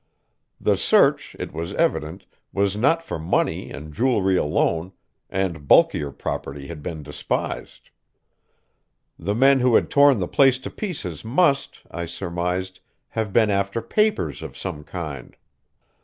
The search, it was evident, was not for money and jewelry alone, and bulkier property had been despised. The men who had torn the place to pieces must, I surmised, have been after papers of some kind.